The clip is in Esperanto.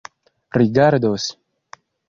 rigardos